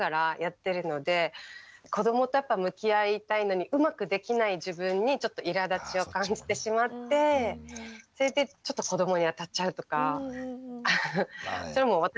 子どもと向き合いたいのにうまくできない自分にちょっといらだちを感じてしまってそれでちょっと子どもに当たっちゃうとかそれも私の問題なんですけど。